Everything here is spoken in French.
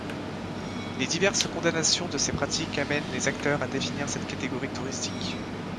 Les diverses condamnations de ces pratiques amènent les acteurs à définir cette catégorie touristique.